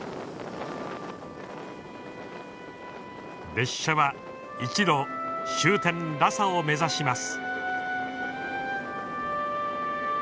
列車は路終点ラサを目指します。